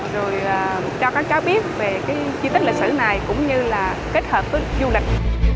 rồi cho các cháu biết về cái di tích lịch sử này cũng như là kết hợp với du lịch